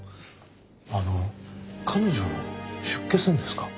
あの彼女出家するんですか？